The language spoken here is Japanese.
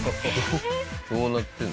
どうなってるんだ？